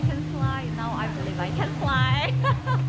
kalau katanya i believe i can fly now i believe i can fly